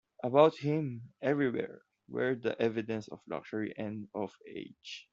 About him, everywhere, were the evidences of luxury and of age.